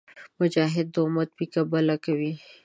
مجاهد د امت پیکه بله کوي.